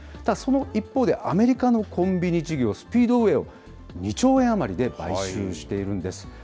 ただその一方で、アメリカのコンビニ事業、スピードウェイを２兆円余りで買収しているんです。